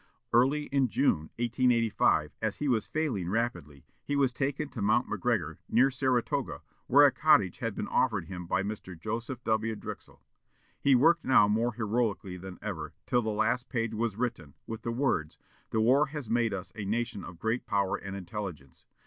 Early in June, 1885, as he was failing rapidly, he was taken to Mt. McGregor, near Saratoga, where a cottage had been offered him by Mr. Joseph W. Drexel. He worked now more heroically than ever, till the last page was written, with the words: "The war has made us a nation of great power and intelligence.